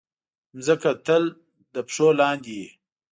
مځکه تل زموږ د پښو لاندې وي.